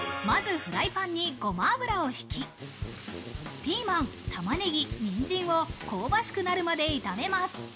まずフライパンに、ゴマ油を引き、ピーマン、玉ねぎ、にんじんを香ばしくなるまで炒めます。